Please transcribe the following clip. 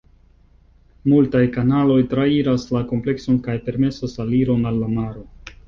Multaj kanaloj trairas la komplekson kaj permesas aliron al la maro.